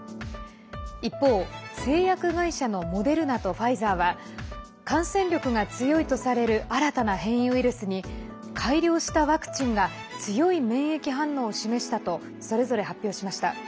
一方、製薬会社のモデルナとファイザーは感染力が強いとされる新たな変異ウイルスに改良したワクチンが強い免疫反応を示したとそれぞれ発表しました。